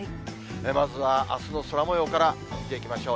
まずはあすの空もようから見ていきましょう。